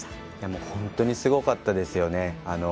本当にすごかったですよね。